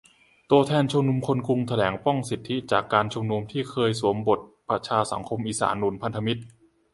ตัวแทนชุมชนคนกรุงแถลงป้องสิทธิจากการชุมนุม ที่แท้เคยสวมบทประชาสังคมอีสานหนุนพันธมิตร